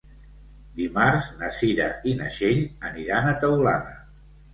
Dimarts na Cira i na Txell aniran a Teulada.